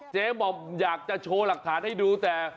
เจ๊หม่อมอยากจะโชว์หลักฐานให้ดูแต่